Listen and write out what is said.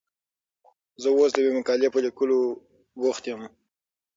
زه اوس د یوې مقالې په لیکلو بوخت یم.